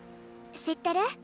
知ってる？